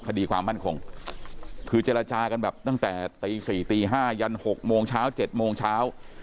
คดีความมั่นคงคือเจรจากันแบบตั้งแต่ตี๔ตี๕ยัน๖โมงเช้า๗โมงเช้า